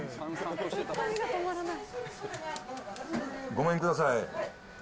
ごめんください。